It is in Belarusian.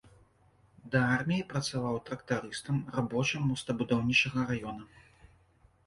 Да арміі працаваў трактарыстам, рабочым мостабудаўнічага раёна.